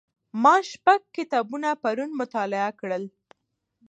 ما شپږ کتابونه پرون مطالعه کړل.